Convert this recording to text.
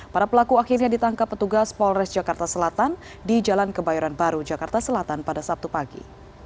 para pelaku akhirnya ditangkap petugas polres jakarta selatan di jalan kebayoran baru jakarta selatan pada sabtu pagi